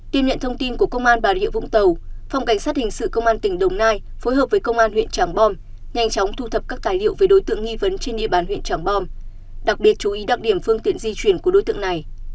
tiếp nhận thông tin của công an bà rịa vũng tàu phòng cảnh sát hình sự công an tỉnh đồng nai phối hợp với công an huyện tràng bom nhanh chóng thu thập các tài liệu về đối tượng nghi vấn trên địa bàn huyện trảng bom đặc biệt chú ý đặc điểm phương tiện di chuyển của đối tượng này